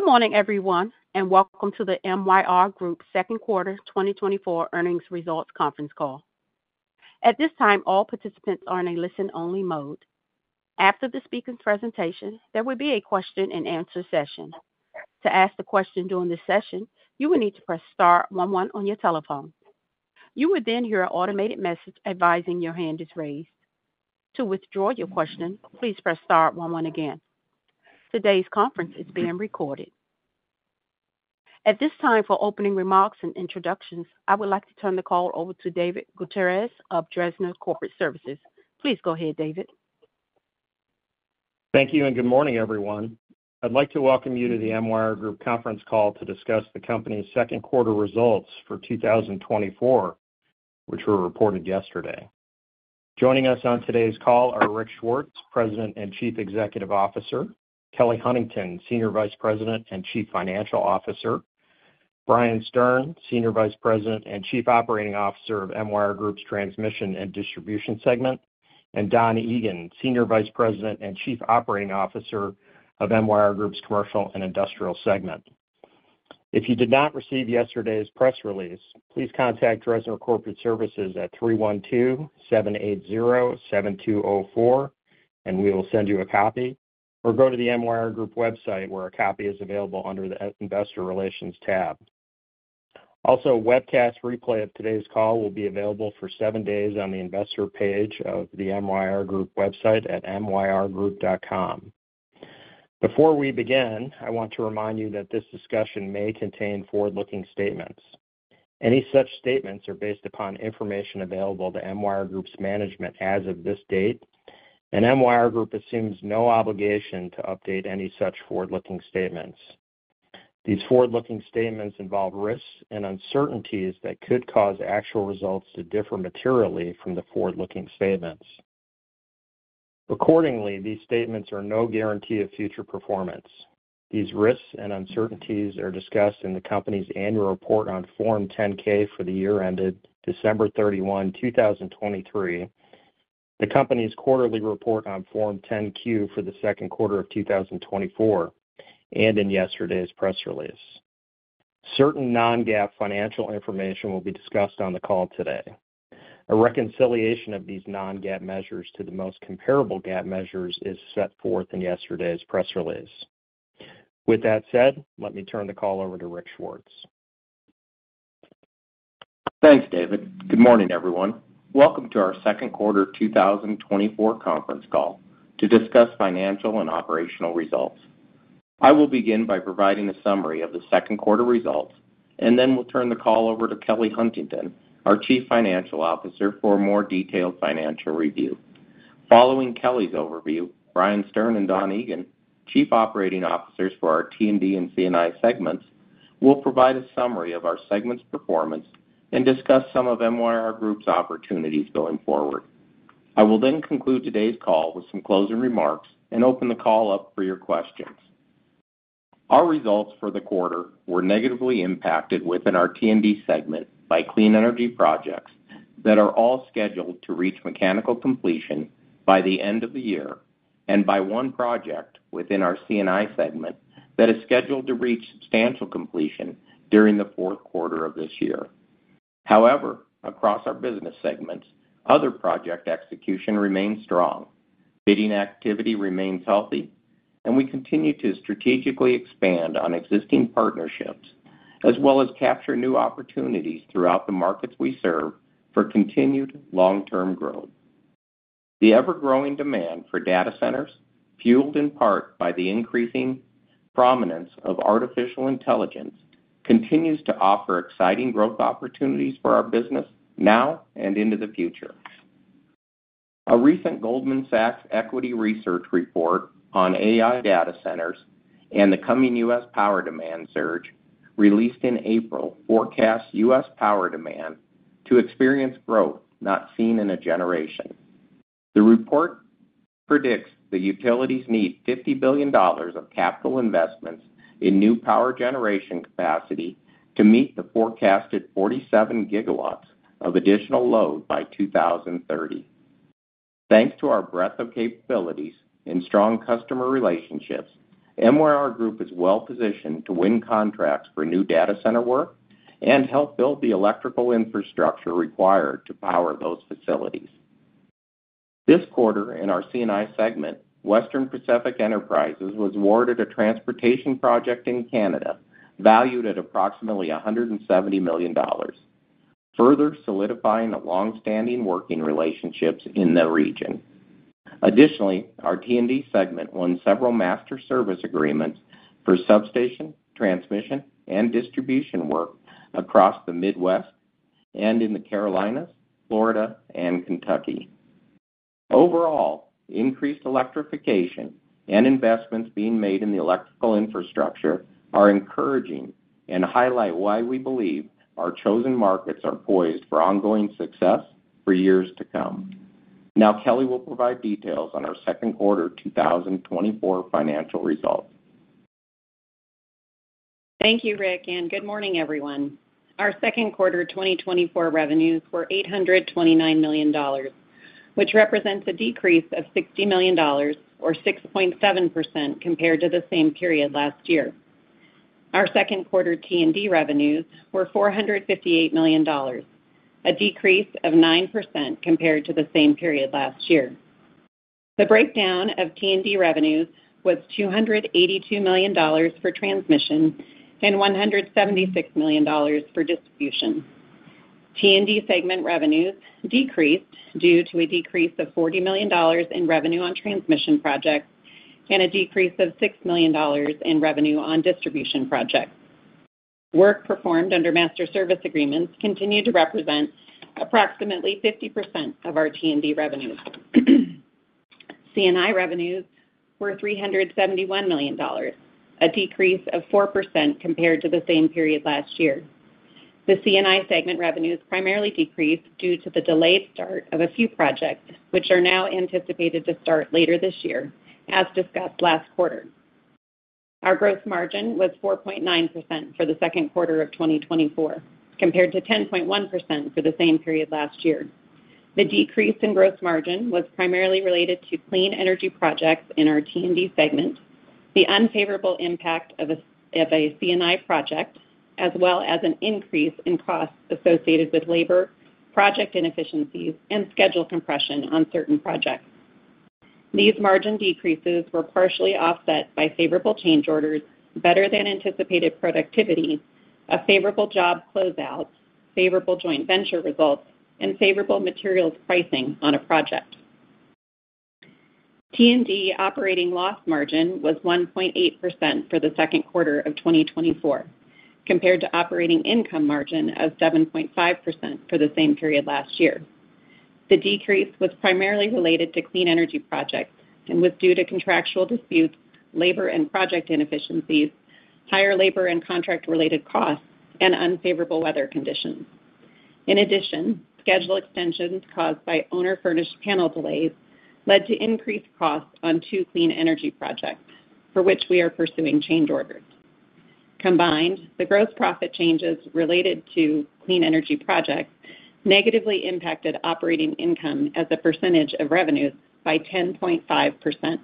Good morning, everyone, and welcome to the MYR Group Second Quarter 2024 Earnings Results Conference Call. At this time, all participants are in a listen-only mode. After the speaker's presentation, there will be a question-and-answer session. To ask a question during this session, you will need to press star one one on your telephone. You will then hear an automated message advising your hand is raised. To withdraw your question, please press star one one again. Today's conference is being recorded. At this time, for opening remarks and introductions, I would like to turn the call over to David Gutierrez of Dresner Corporate Services. Please go ahead, David. Thank you and good morning, everyone. I'd like to welcome you to the MYR Group Conference Call to discuss the company's second quarter results for 2024, which were reported yesterday. Joining us on today's call are Rick Swartz, President and Chief Executive Officer. Kelly Huntington, Senior Vice President and Chief Financial Officer. Brian Stern, Senior Vice President and Chief Operating Officer of MYR Group's Transmission and Distribution Segment. And Don Egan, Senior Vice President and Chief Operating Officer of MYR Group's Commercial and Industrial Segment. If you did not receive yesterday's press release, please contact Dresner Corporate Services at 312-780-7204, and we will send you a copy, or go to the MYR Group website where a copy is available under the Investor Relations tab. Also, a webcast replay of today's call will be available for seven days on the investor page of the MYR Group website at myrgroup.com. Before we begin, I want to remind you that this discussion may contain forward-looking statements. Any such statements are based upon information available to MYR Group's management as of this date, and MYR Group assumes no obligation to update any such forward-looking statements. These forward-looking statements involve risks and uncertainties that could cause actual results to differ materially from the forward-looking statements. Accordingly, these statements are no guarantee of future performance. These risks and uncertainties are discussed in the company's annual report on Form 10-K for the year ended December 31, 2023, the company's quarterly report on Form 10-Q for the second quarter of 2024, and in yesterday's press release. Certain non-GAAP financial information will be discussed on the call today. A reconciliation of these non-GAAP measures to the most comparable GAAP measures is set forth in yesterday's press release. With that said, let me turn the call over to Rick Swartz. Thanks, David. Good morning, everyone. Welcome to our Second Quarter 2024 Conference Call to discuss financial and operational results. I will begin by providing a summary of the second quarter results, and then we'll turn the call over to Kelly Huntington, our Chief Financial Officer, for a more detailed financial review. Following Kelly's overview, Brian Stern and Don Egan, Chief Operating Officers for our T&D and C&I segments, will provide a summary of our segment's performance and discuss some of MYR Group's opportunities going forward. I will then conclude today's call with some closing remarks and open the call up for your questions. Our results for the quarter were negatively impacted within our T&D segment by clean energy projects that are all scheduled to reach mechanical completion by the end of the year and by one project within our C&I segment that is scheduled to reach substantial completion during the fourth quarter of this year. However, across our business segments, other project execution remains strong, bidding activity remains healthy, and we continue to strategically expand on existing partnerships as well as capture new opportunities throughout the markets we serve for continued long-term growth. The ever-growing demand for data centers, fueled in part by the increasing prominence of artificial intelligence, continues to offer exciting growth opportunities for our business now and into the future. A recent Goldman Sachs Equity Research report on AI data centers and the coming U.S. power demand surge released in April forecasts U.S. Power demand to experience growth not seen in a generation. The report predicts the utilities need $50 billion of capital investments in new power generation capacity to meet the forecasted 47 GW of additional load by 2030. Thanks to our breadth of capabilities and strong customer relationships, MYR Group is well-positioned to win contracts for new data center work and help build the electrical infrastructure required to power those facilities. This quarter, in our C&I segment, Western Pacific Enterprises was awarded a transportation project in Canada valued at approximately $170 million, further solidifying long-standing working relationships in the region. Additionally, our T&D segment won several master service agreements for substation, transmission, and distribution work across the Midwest and in the Carolinas, Florida, and Kentucky. Overall, increased electrification and investments being made in the electrical infrastructure are encouraging and highlight why we believe our chosen markets are poised for ongoing success for years to come. Now, Kelly will provide details on our Second Quarter 2024 financial results. Thank you, Rick, and good morning, everyone. Our Second Quarter 2024 revenues were $829 million, which represents a decrease of $60 million, or 6.7%, compared to the same period last year. Our second quarter T&D revenues were $458 million, a decrease of 9% compared to the same period last year. The breakdown of T&D revenues was $282 million for transmission and $176 million for distribution. T&D segment revenues decreased due to a decrease of $40 million in revenue on transmission projects and a decrease of $6 million in revenue on distribution projects. Work performed under master service agreements continued to represent approximately 50% of our T&D revenues. C&I revenues were $371 million, a decrease of 4% compared to the same period last year. The C&I segment revenues primarily decreased due to the delayed start of a few projects, which are now anticipated to start later this year, as discussed last quarter. Our gross margin was 4.9% for the second quarter of 2024, compared to 10.1% for the same period last year. The decrease in gross margin was primarily related to clean energy projects in our T&D segment, the unfavorable impact of a C&I project, as well as an increase in costs associated with labor, project inefficiencies, and schedule compression on certain projects. These margin decreases were partially offset by favorable change orders, better-than-anticipated productivity, a favorable job closeout, favorable joint venture results, and favorable materials pricing on a project. T&D operating loss margin was 1.8% for the second quarter of 2024, compared to operating income margin of 7.5% for the same period last year. The decrease was primarily related to clean energy projects and was due to contractual disputes, labor and project inefficiencies, higher labor and contract-related costs, and unfavorable weather conditions. In addition, schedule extensions caused by owner-furnished panel delays led to increased costs on two clean energy projects, for which we are pursuing change orders. Combined, the gross profit changes related to clean energy projects negatively impacted operating income as a percentage of revenues by 10.5%.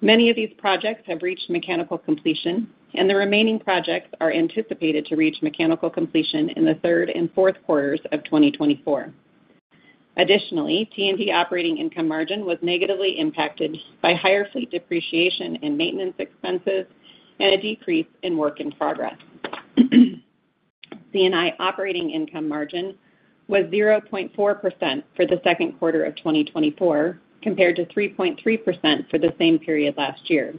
Many of these projects have reached mechanical completion, and the remaining projects are anticipated to reach mechanical completion in the third and fourth quarters of 2024. Additionally, T&D operating income margin was negatively impacted by higher fleet depreciation and maintenance expenses and a decrease in work in progress. C&I operating income margin was 0.4% for the second quarter of 2024, compared to 3.3% for the same period last year.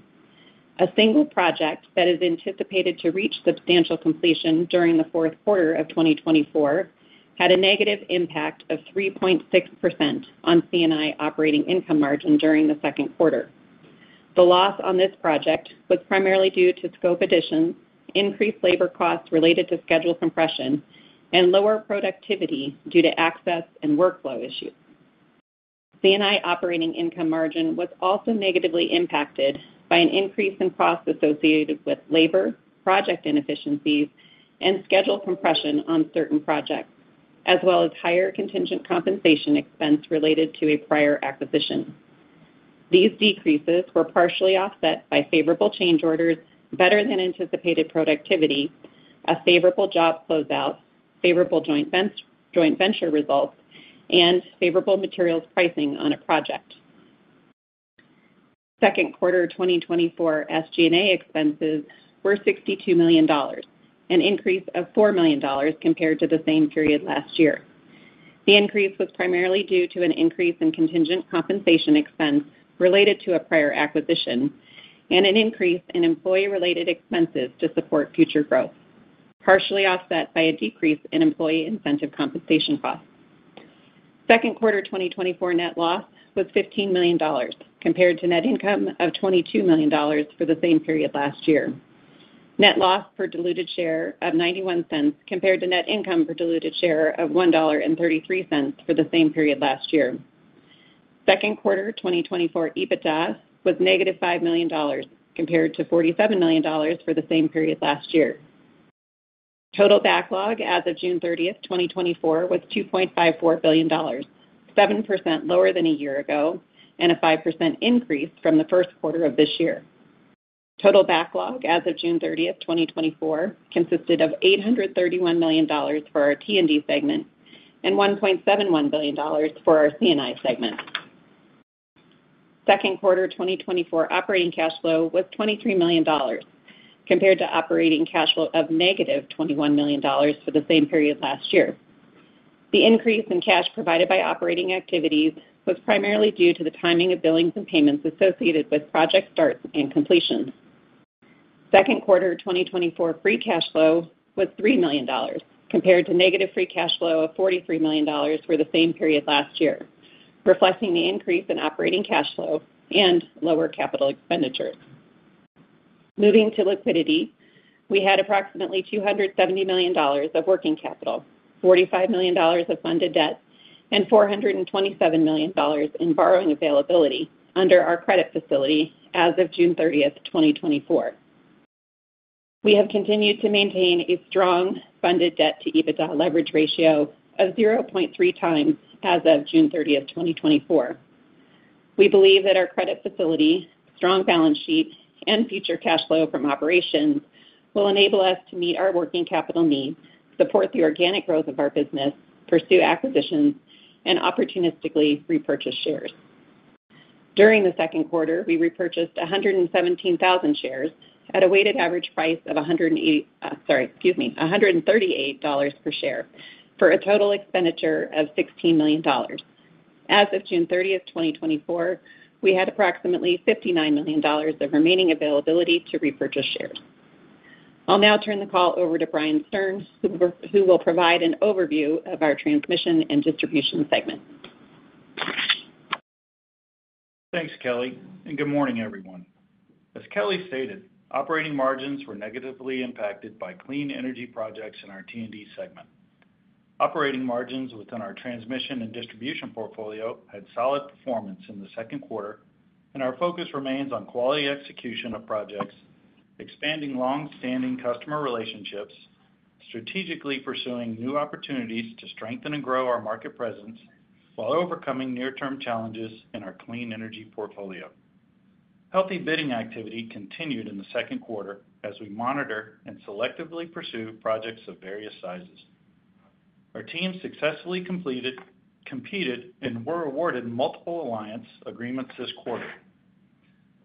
A single project that is anticipated to reach substantial completion during the fourth quarter of 2024 had a negative impact of 3.6% on C&I operating income margin during the second quarter. The loss on this project was primarily due to scope addition, increased labor costs related to schedule compression, and lower productivity due to access and workflow issues. C&I operating income margin was also negatively impacted by an increase in costs associated with labor, project inefficiencies, and schedule compression on certain projects, as well as higher contingent compensation expense related to a prior acquisition. These decreases were partially offset by favorable change orders, better-than-anticipated productivity, a favorable job closeout, favorable joint venture results, and favorable materials pricing on a project. Second quarter 2024 SG&A expenses were $62 million, an increase of $4 million compared to the same period last year. The increase was primarily due to an increase in contingent compensation expense related to a prior acquisition and an increase in employee-related expenses to support future growth, partially offset by a decrease in employee incentive compensation costs. Second quarter 2024 net loss was $15 million, compared to net income of $22 million for the same period last year. Net loss per diluted share of $0.91 compared to net income per diluted share of $1.33 for the same period last year. Second quarter 2024 EBITDA was -$5 million, compared to $47 million for the same period last year. Total backlog as of June 30, 2024, was $2.54 billion, 7% lower than a year ago and a 5% increase from the first quarter of this year. Total backlog as of June 30, 2024, consisted of $831 million for our T&D segment and $1.71 billion for our C&I segment. Second quarter 2024 operating cash flow was $23 million, compared to operating cash flow of -$21 million for the same period last year. The increase in cash provided by operating activities was primarily due to the timing of billings and payments associated with project starts and completion. Second quarter 2024 free cash flow was $3 million, compared to negative free cash flow of $43 million for the same period last year, reflecting the increase in operating cash flow and lower capital expenditures. Moving to liquidity, we had approximately $270 million of working capital, $45 million of funded debt, and $427 million in borrowing availability under our credit facility as of June 30, 2024. We have continued to maintain a strong funded debt-to-EBITDA leverage ratio of 0.3x as of June 30, 2024. We believe that our credit facility, strong balance sheet, and future cash flow from operations will enable us to meet our working capital needs, support the organic growth of our business, pursue acquisitions, and opportunistically repurchase shares. During the second quarter, we repurchased 117,000 shares at a weighted average price of $138 per share for a total expenditure of $16 million. As of June 30, 2024, we had approximately $59 million of remaining availability to repurchase shares. I'll now turn the call over to Brian Stern, who will provide an overview of our transmission and distribution segment. Thanks, Kelly, and good morning, everyone. As Kelly stated, operating margins were negatively impacted by clean energy projects in our T&D segment. Operating margins within our transmission and distribution portfolio had solid performance in the second quarter, and our focus remains on quality execution of projects, expanding long-standing customer relationships, strategically pursuing new opportunities to strengthen and grow our market presence while overcoming near-term challenges in our clean energy portfolio. Healthy bidding activity continued in the second quarter as we monitor and selectively pursue projects of various sizes. Our team successfully competed and were awarded multiple alliance agreements this quarter.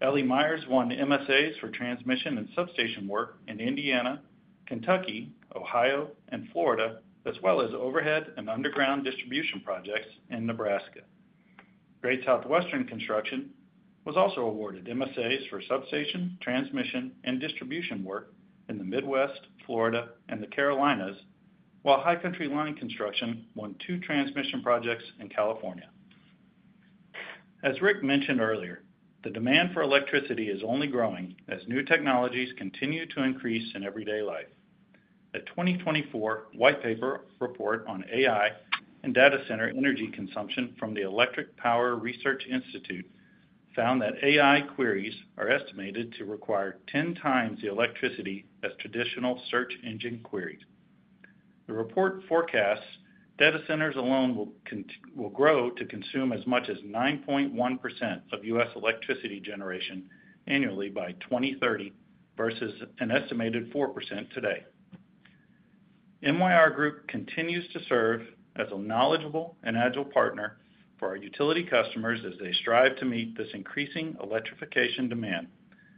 L.E. Myers won MSAs for transmission and substation work in Indiana, Kentucky, Ohio, and Florida, as well as overhead and underground distribution projects in Nebraska. Great Southwestern Construction was also awarded MSAs for substation, transmission, and distribution work in the Midwest, Florida, and the Carolinas, while High Country Line Construction won two transmission projects in California. As Rick mentioned earlier, the demand for electricity is only growing as new technologies continue to increase in everyday life. A 2024 white paper report on AI and data center energy consumption from the Electric Power Research Institute found that AI queries are estimated to require 10x the electricity as traditional search engine queries. The report forecasts data centers alone will grow to consume as much as 9.1% of U.S. electricity generation annually by 2030 versus an estimated 4% today. MYR Group continues to serve as a knowledgeable and agile partner for our utility customers as they strive to meet this increasing electrification demand,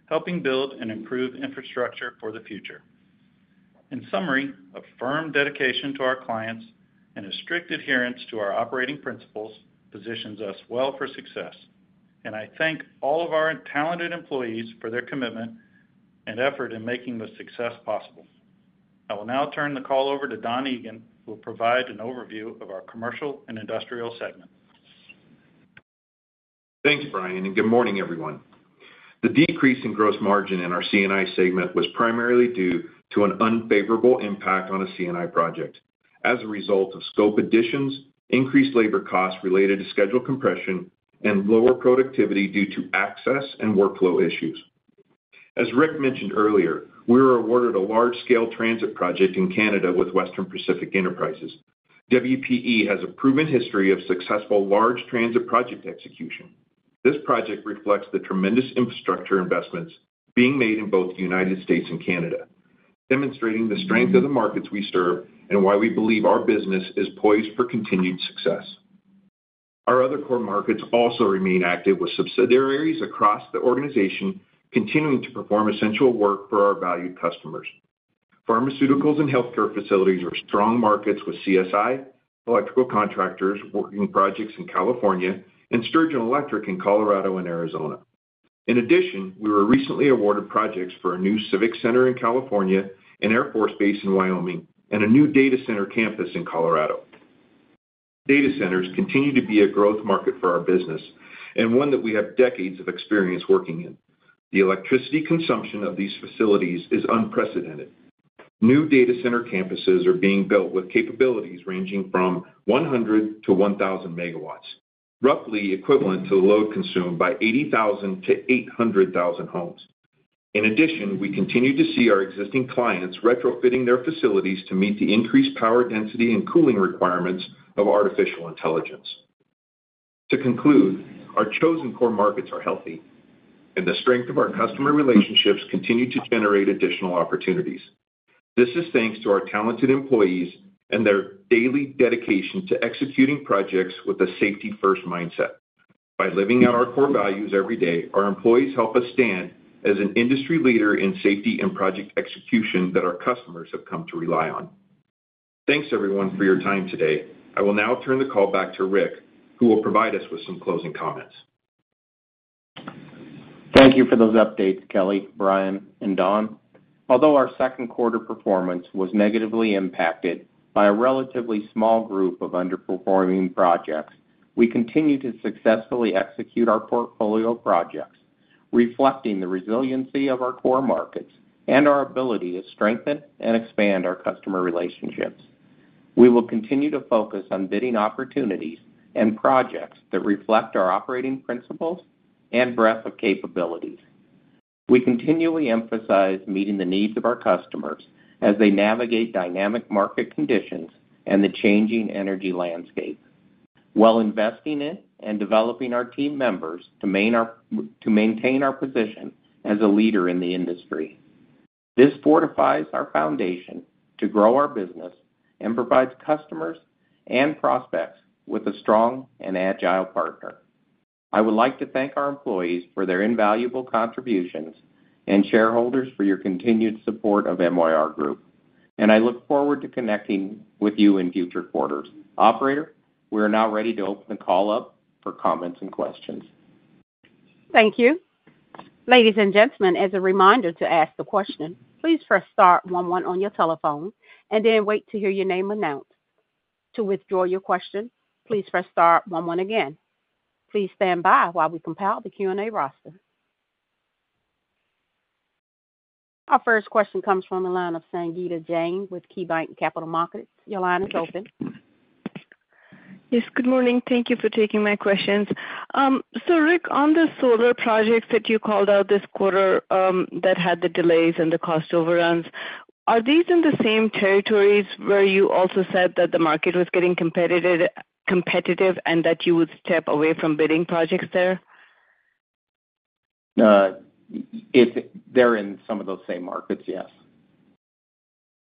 helping build and improve infrastructure for the future. In summary, a firm dedication to our clients and a strict adherence to our operating principles positions us well for success, and I thank all of our talented employees for their commitment and effort in making this success possible. I will now turn the call over to Don Egan, who will provide an overview of our commercial and industrial segment. Thanks, Brian, and good morning, everyone. The decrease in gross margin in our C&I segment was primarily due to an unfavorable impact on a C&I project as a result of scope additions, increased labor costs related to schedule compression, and lower productivity due to access and workflow issues. As Rick mentioned earlier, we were awarded a large-scale transit project in Canada with Western Pacific Enterprises. WPE has a proven history of successful large transit project execution. This project reflects the tremendous infrastructure investments being made in both the United States and Canada, demonstrating the strength of the markets we serve and why we believe our business is poised for continued success. Our other core markets also remain active with subsidiaries across the organization, continuing to perform essential work for our valued customers. Pharmaceuticals and healthcare facilities are strong markets with CSI Electrical Contractors working projects in California, and Sturgeon Electric in Colorado and Arizona. In addition, we were recently awarded projects for a new civic center in California, an Air Force base in Wyoming, and a new data center campus in Colorado. Data centers continue to be a growth market for our business and one that we have decades of experience working in. The electricity consumption of these facilities is unprecedented. New data center campuses are being built with capabilities ranging from 100 MW-1,000 MW, roughly equivalent to the load consumed by 80,000-800,000 homes. In addition, we continue to see our existing clients retrofitting their facilities to meet the increased power density and cooling requirements of artificial intelligence. To conclude, our chosen core markets are healthy, and the strength of our customer relationships continues to generate additional opportunities. This is thanks to our talented employees and their daily dedication to executing projects with a safety-first mindset. By living out our core values every day, our employees help us stand as an industry leader in safety and project execution that our customers have come to rely on. Thanks, everyone, for your time today. I will now turn the call back to Rick, who will provide us with some closing comments. Thank you for those updates, Kelly, Brian, and Don. Although our second quarter performance was negatively impacted by a relatively small group of underperforming projects, we continue to successfully execute our portfolio projects, reflecting the resiliency of our core markets and our ability to strengthen and expand our customer relationships. We will continue to focus on bidding opportunities and projects that reflect our operating principles and breadth of capabilities. We continually emphasize meeting the needs of our customers as they navigate dynamic market conditions and the changing energy landscape, while investing in and developing our team members to maintain our position as a leader in the industry. This fortifies our foundation to grow our business and provides customers and prospects with a strong and agile partner. I would like to thank our employees for their invaluable contributions and shareholders for your continued support of MYR Group, and I look forward to connecting with you in future quarters. Operator, we are now ready to open the call up for comments and questions. Thank you. Ladies and gentlemen, as a reminder to ask the question, please press star one one on your telephone and then wait to hear your name announced. To withdraw your question, please press star one one again. Please stand by while we compile the Q&A roster. Our first question comes from line of Sangita Jain with KeyBanc Capital Markets. Your line is open. Yes, good morning. Thank you for taking my questions. Rick, on the solar projects that you called out this quarter that had the delays and the cost overruns, are these in the same territories where you also said that the market was getting competitive and that you would step away from bidding projects there? They're in some of those same markets, yes.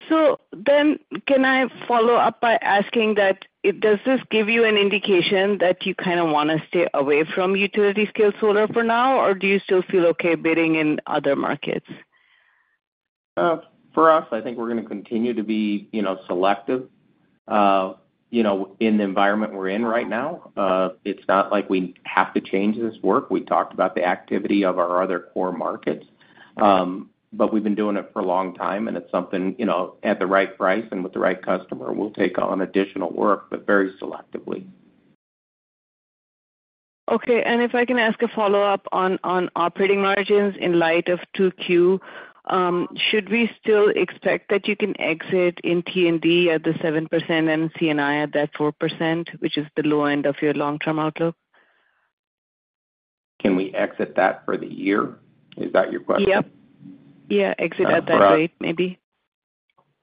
Can I follow up by asking that, does this give you an indication that you kind of want to stay away from utility-scale solar for now, or do you still feel okay bidding in other markets? For us, I think we're going to continue to be selective in the environment we're in right now. It's not like we have to change this work. We talked about the activity of our other core markets, but we've been doing it for a long time, and it's something at the right price and with the right customer, we'll take on additional work, but very selectively. Okay. If I can ask a follow-up on operating margins in light of 2Q, should we still expect that you can exit in T&D at the 7% and C&I at that 4%, which is the low end of your long-term outlook? Can we exit that for the year? Is that your question? Yeah. Yeah, exit at that rate, maybe.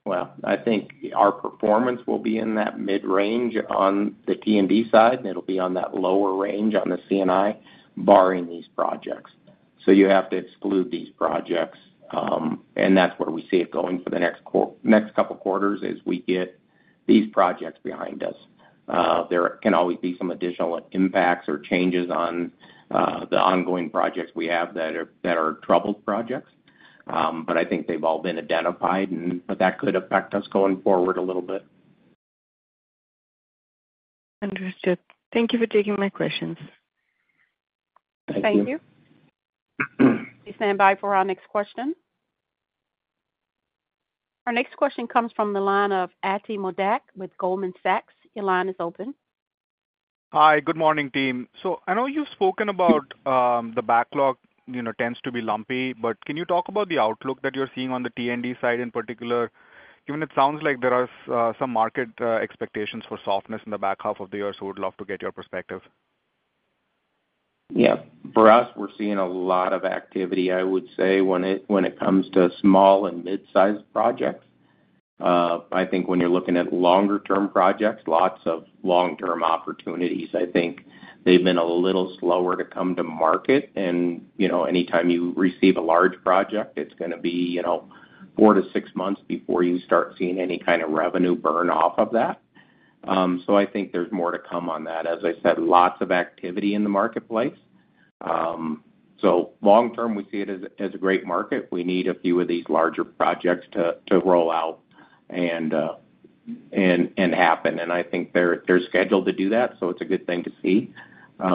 Well, I think our performance will be in that mid-range on the T&D side, and it'll be on that lower range on the C&I, barring these projects. So you have to exclude these projects, and that's where we see it going for the next couple of quarters as we get these projects behind us. There can always be some additional impacts or changes on the ongoing projects we have that are troubled projects, but I think they've all been identified, but that could affect us going forward a little bit. Understood. Thank you for taking my questions. Thank you. Thank you. Please stand by for our next question. Our next question comes from line of Ati Modak with Goldman Sachs. Your line is open. Hi, good morning, team. So I know you've spoken about the backlog tends to be lumpy, but can you talk about the outlook that you're seeing on the T&D side in particular, given it sounds like there are some market expectations for softness in the back half of the year? So we'd love to get your perspective. Yeah. For us, we're seeing a lot of activity, I would say, when it comes to small and mid-sized projects. I think when you're looking at longer-term projects, lots of long-term opportunities, I think they've been a little slower to come to market. And anytime you receive a large project, it's going to be four to six months before you start seeing any kind of revenue burn off of that. So I think there's more to come on that. As I said, lots of activity in the marketplace. So long-term, we see it as a great market. We need a few of these larger projects to roll out and happen. And I think they're scheduled to do that, so it's a good thing to see.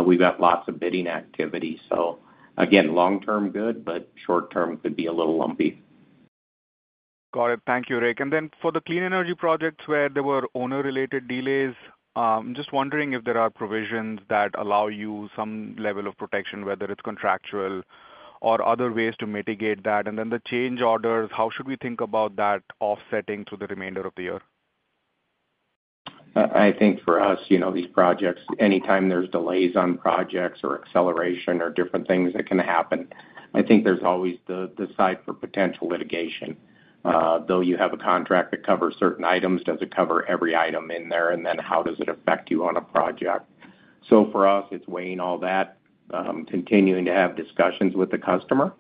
We've got lots of bidding activity. So again, long-term, good, but short-term could be a little lumpy. Got it. Thank you, Rick. For the clean energy projects where there were owner-related delays, I'm just wondering if there are provisions that allow you some level of protection, whether it's contractual or other ways to mitigate that. The change orders, how should we think about that offsetting through the remainder of the year? I think for us, these projects, anytime there's delays on projects or acceleration or different things that can happen, I think there's always the side for potential litigation. Though you have a contract that covers certain items, does it cover every item in there, and then how does it affect you on a project? So for us, it's weighing all that, continuing to have discussions with the customer,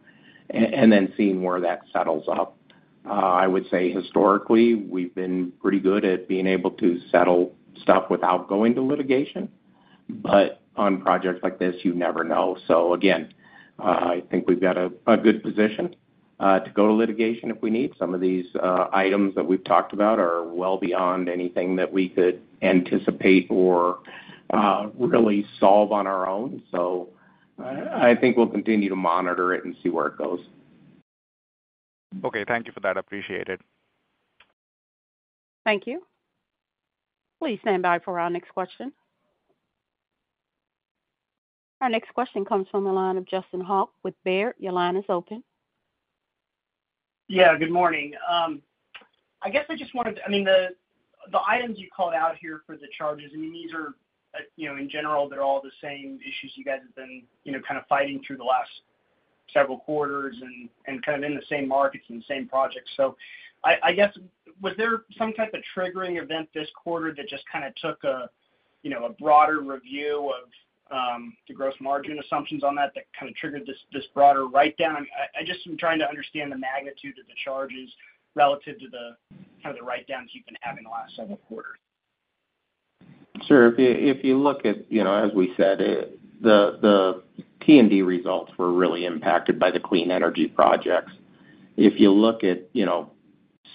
and then seeing where that settles up. I would say historically, we've been pretty good at being able to settle stuff without going to litigation, but on projects like this, you never know. So again, I think we've got a good position to go to litigation if we need. Some of these items that we've talked about are well beyond anything that we could anticipate or really solve on our own. I think we'll continue to monitor it and see where it goes. Okay. Thank you for that. Appreciate it. Thank you. Please stand by for our next question. Our next question comes from line of Justin Hauke with Baird. Your line is open. Yeah, good morning. I guess I just wanted to, I mean, the items you called out here for the charges, I mean, these are in general, they're all the same issues you guys have been kind of fighting through the last several quarters and kind of in the same markets and the same projects. So I guess, was there some type of triggering event this quarter that just kind of took a broader review of the gross margin assumptions on that that kind of triggered this broader write-down? I just am trying to understand the magnitude of the charges relative to the kind of the write-downs you've been having the last several quarters. Sure. If you look at, as we said, the T&D results were really impacted by the clean energy projects. If you look at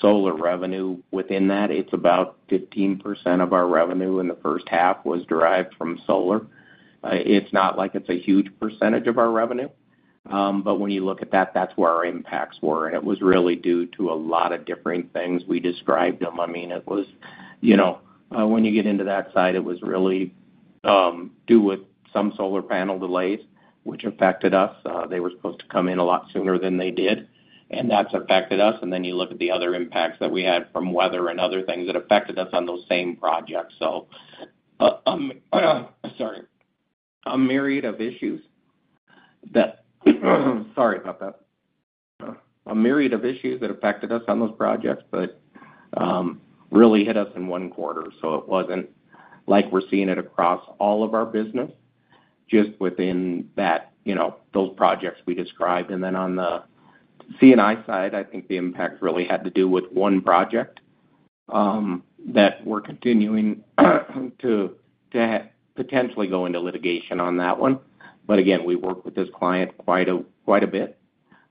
solar revenue within that, it's about 15% of our revenue in the first half was derived from solar. It's not like it's a huge percentage of our revenue, but when you look at that, that's where our impacts were, and it was really due to a lot of different things we described them. I mean, it was when you get into that side, it was really due with some solar panel delays, which affected us. They were supposed to come in a lot sooner than they did, and that's affected us. And then you look at the other impacts that we had from weather and other things that affected us on those same projects. So, sorry, a myriad of issues that, sorry about that. A myriad of issues that affected us on those projects, but really hit us in one quarter. It wasn't like we're seeing it across all of our business, just within those projects we described. Then on the C&I side, I think the impact really had to do with one project that we're continuing to potentially go into litigation on that one. Again, we work with this client quite a bit,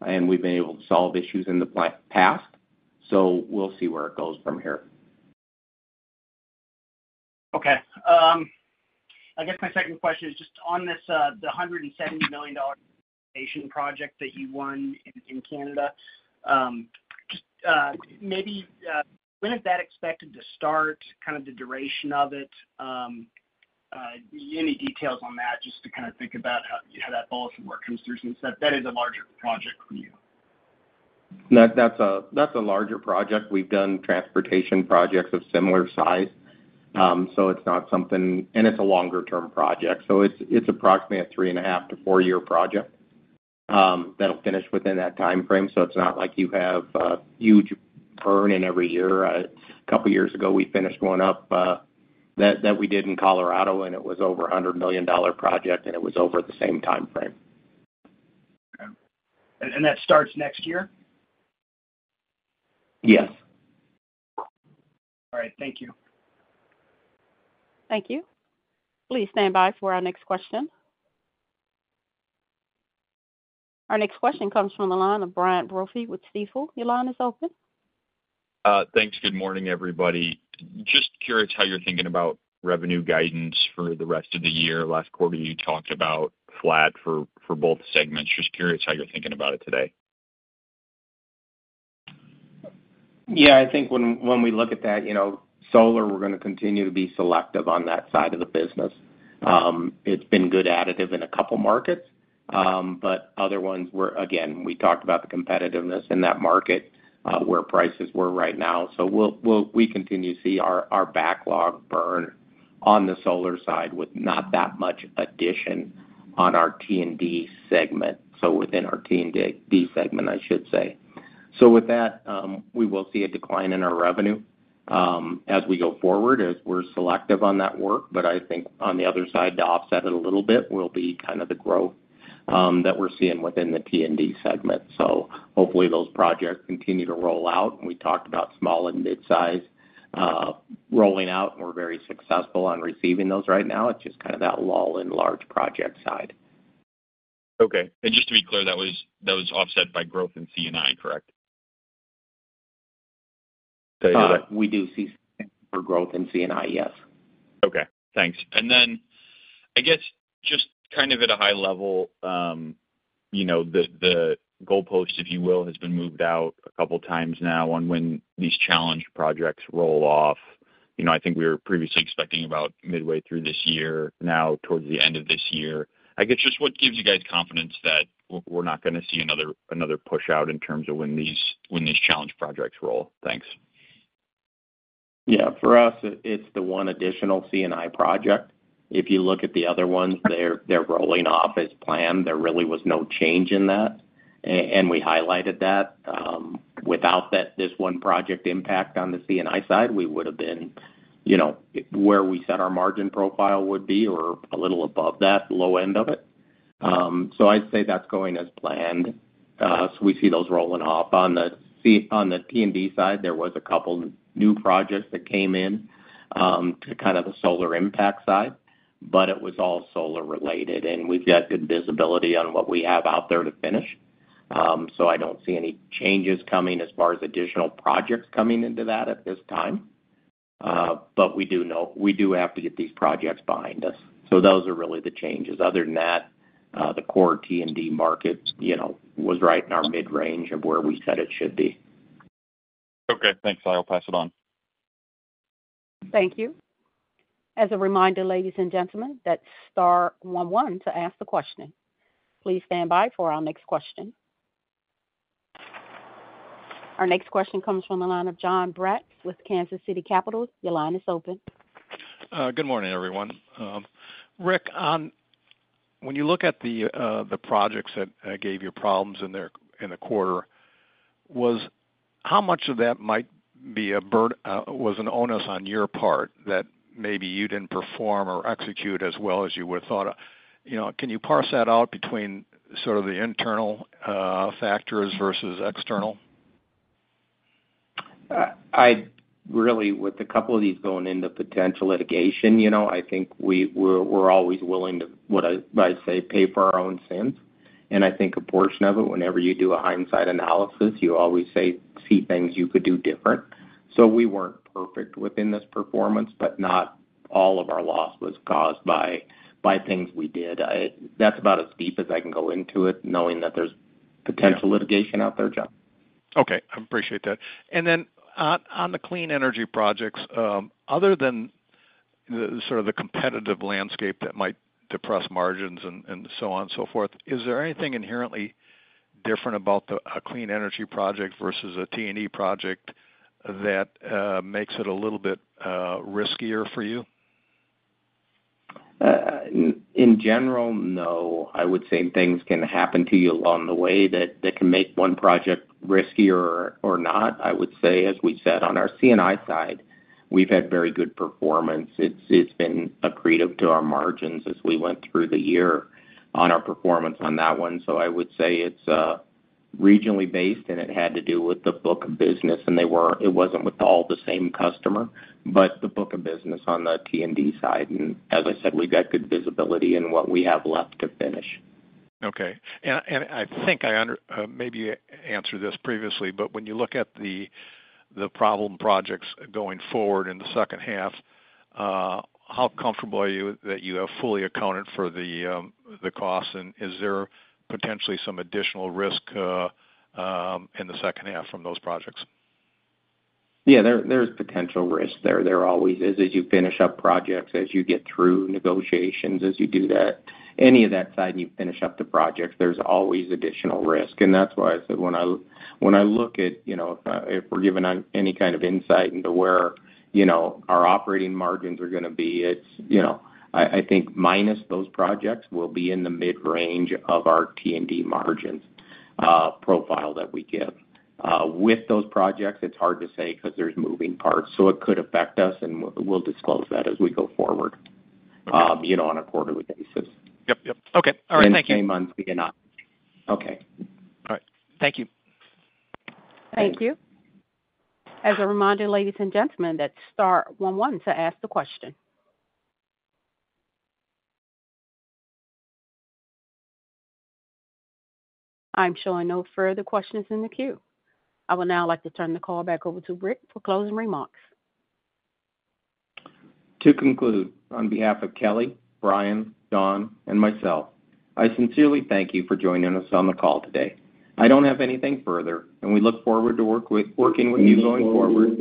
and we've been able to solve issues in the past. We'll see where it goes from here. Okay. I guess my second question is just on the $170 million transmission project that you won in Canada, just maybe when is that expected to start, kind of the duration of it? Any details on that, just to kind of think about how that build-out work comes through since that is a larger project for you? That's a larger project. We've done transportation projects of similar size, so it's not something, and it's a longer-term project. So it's approximately a 3.5-4-year project that'll finish within that time frame. So it's not like you have a huge burn in every year. A couple of years ago, we finished one up that we did in Colorado, and it was over a $100 million project, and it was over the same time frame. Okay. And that starts next year? Yes. All right. Thank you. Thank you. Please stand by for our next question. Our next question comes from line of Brian Brophy with Stifel. Your line is open. Thanks. Good morning, everybody. Just curious how you're thinking about revenue guidance for the rest of the year? Last quarter, you talked about flat for both segments. Just curious how you're thinking about it today? Yeah. I think when we look at that, solar, we're going to continue to be selective on that side of the business. It's been good additive in a couple of markets, but other ones were, again, we talked about the competitiveness in that market where prices were right now. So we continue to see our backlog burn on the solar side with not that much addition on our T&D segment, so within our T&D segment, I should say. So with that, we will see a decline in our revenue as we go forward as we're selective on that work. But I think on the other side, to offset it a little bit, will be kind of the growth that we're seeing within the T&D segment. So hopefully, those projects continue to roll out. We talked about small and mid-size rolling out, and we're very successful on receiving those right now. It's just kind of that lull in large project side. Okay. Just to be clear, that was offset by growth in C&I, correct? We do see some growth in C&I, yes. Okay. Thanks. And then I guess just kind of at a high level, the goalpost, if you will, has been moved out a couple of times now on when these challenge projects roll off. I think we were previously expecting about midway through this year, now towards the end of this year. I guess just what gives you guys confidence that we're not going to see another push out in terms of when these challenge projects roll? Thanks. Yeah. For us, it's the one additional C&I project. If you look at the other ones, they're rolling off as planned. There really was no change in that, and we highlighted that. Without this one project impact on the C&I side, we would have been where we set our margin profile would be or a little above that low end of it. So I'd say that's going as planned. So we see those rolling off. On the T&D side, there was a couple of new projects that came in to kind of the solar impact side, but it was all solar related, and we've got good visibility on what we have out there to finish. So I don't see any changes coming as far as additional projects coming into that at this time, but we do have to get these projects behind us. So those are really the changes. Other than that, the core T&D market was right in our mid-range of where we said it should be. Okay. Thanks. I'll pass it on. Thank you. As a reminder, ladies and gentlemen, that's star one one to ask the question. Please stand by for our next question. Our next question comes from line of Jon Braatz with Kansas City Capital. Your line is open. Good morning, everyone. Rick, when you look at the projects that gave you problems in the quarter, how much of that might be a burden was an onus on your part that maybe you didn't perform or execute as well as you would have thought? Can you parse that out between sort of the internal factors versus external? Really, with a couple of these going into potential litigation, I think we're always willing to, what I say, pay for our own sins. I think a portion of it, whenever you do a hindsight analysis, you always see things you could do different. So we weren't perfect within this performance, but not all of our loss was caused by things we did. That's about as deep as I can go into it, knowing that there's potential litigation out there, Jon. Okay. I appreciate that. And then on the clean energy projects, other than sort of the competitive landscape that might depress margins and so on and so forth, is there anything inherently different about a clean energy project versus a T&D project that makes it a little bit riskier for you? In general, no. I would say things can happen to you along the way that can make one project riskier or not. I would say, as we said, on our C&I side, we've had very good performance. It's been accretive to our margins as we went through the year on our performance on that one. So I would say it's regionally based, and it had to do with the book of business, and it wasn't with all the same customer, but the book of business on the T&D side. And as I said, we've got good visibility in what we have left to finish. Okay. I think I maybe answered this previously, but when you look at the problem projects going forward in the second half, how comfortable are you that you are fully accounted for the cost? Is there potentially some additional risk in the second half from those projects? Yeah. There's potential risk there. There always is as you finish up projects, as you get through negotiations, as you do that, any of that side and you finish up the projects, there's always additional risk. And that's why I said when I look at if we're given any kind of insight into where our operating margins are going to be, I think minus those projects will be in the mid-range of our T&D margins profile that we give. With those projects, it's hard to say because there's moving parts. So it could affect us, and we'll disclose that as we go forward on a quarterly basis. Yep. Yep. Okay. All right. Thank you. Same on C&I. Okay. All right. Thank you. Thank you. As a reminder, ladies and gentlemen, that's star one one to ask the question. I'm showing no further questions in the queue. I would now like to turn the call back over to Rick for closing remarks. To conclude, on behalf of Kelly, Brian, Don, and myself, I sincerely thank you for joining us on the call today. I don't have anything further, and we look forward to working with you going forward.